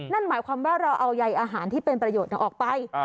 นั่นหมายความว่าเราเอาใยอาหารที่เป็นประโยชน์ออกไป